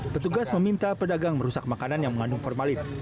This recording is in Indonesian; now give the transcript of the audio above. petugas meminta pedagang merusak makanan yang mengandung formalin